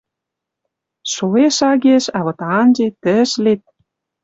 Шоэш-агеш, а вот анжет, тӹшлет